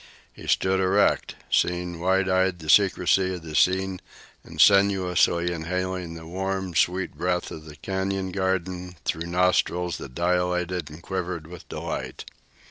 He stood erect, seeing wide eyed the secrecy of the scene and sensuously inhaling the warm, sweet breath of the canyon garden through nostrils that dilated and quivered with delight.